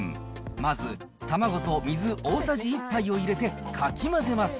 まず卵と水大さじ１杯を入れてかき混ぜます。